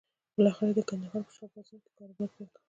بالاخره یې د کندهار په شا بازار کې کاروبار پيل کړ.